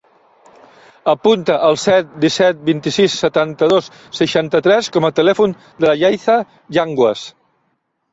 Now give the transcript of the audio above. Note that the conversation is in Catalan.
Apunta el set, disset, vint-i-sis, setanta-dos, seixanta-tres com a telèfon de la Yaiza Yanguas.